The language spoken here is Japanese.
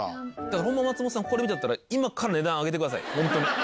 だからホンマ松本さんこれ見てるんだったら今から値段上げてください本当に。